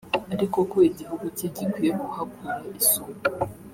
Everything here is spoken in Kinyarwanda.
ariko ko igihugu cye gikwiye kuhakura isomo